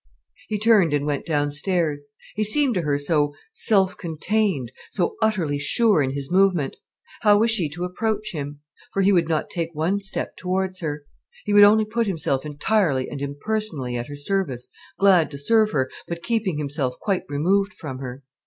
He turned and went downstairs. He seemed to her so self contained, so utterly sure in his movement. How was she to approach him? For he would take not one step towards her. He would only put himself entirely and impersonally at her service, glad to serve her, but keeping himself quite removed from her.